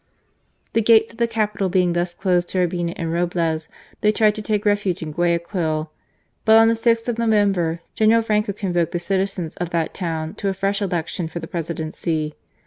The gates of the capital being thus closed to Urbina and Roblez, they tried to take refuge in Guayaquil. But on the 6th of September, General Franco convoked the citizens of that town to a fresh election for the Presidency.